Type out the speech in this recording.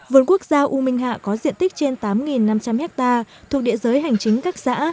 vườn quốc gia u minh hạ có diện tích trên tám năm trăm linh ha thuộc địa giới hành chính các xã